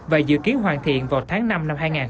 và dự kiến hoàn thiện vào tháng năm năm hai nghìn hai mươi